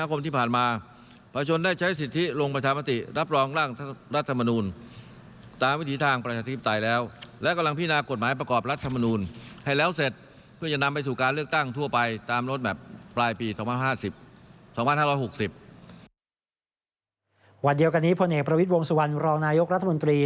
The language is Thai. วันเดียวกันนี้พลเอกประวิทย์วงสุวรรณรองนายกรัฐมนตรี